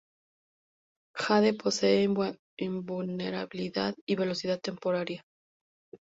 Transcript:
Jade posee invulnerabilidad y velocidad temporaria.